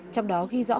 trong đó ghi rõ hỏi